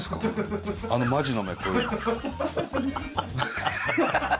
あのマジの目こういう。